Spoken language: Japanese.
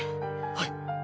はい。